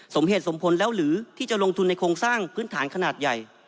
สมเหตุสมผลแล้วหรือที่จะลงทุนในโครงสร้างพื้นฐานขนาดใหญ่